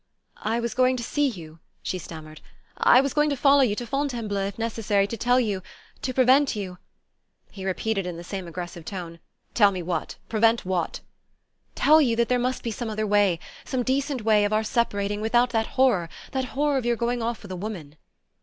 "I was going to see you," she stammered, "I was going to follow you to Fontainebleau, if necessary, to tell you... to prevent you...." He repeated in the same aggressive tone: "Tell me what? Prevent what?" "Tell you that there must be some other way... some decent way... of our separating... without that horror, that horror of your going off with a woman...."